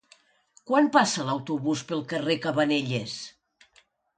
Quan passa l'autobús pel carrer Cabanelles?